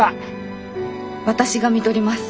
私が看取ります。